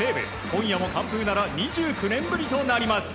今夜も完封なら２９年ぶりとなります。